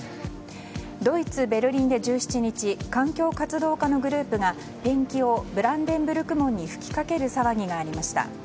ドイツ・ベルリンで１７日環境保護団体のグループがペンキをブランデンブルク門に吹きかける騒ぎがありました。